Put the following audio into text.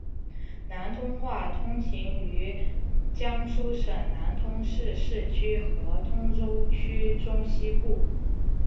南通话通行于江苏省南通市市区和通州区中西部。